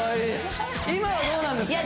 今はどうなんですか？